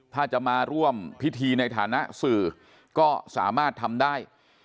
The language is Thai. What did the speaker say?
ถ้าจะมาร่วมพิธีในฐานะสื่อก็สามารถทำได้